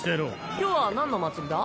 今日はなんの祭りだ？